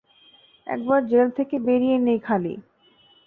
একবার জেল থেকে বেরিয়ে নেই খালি।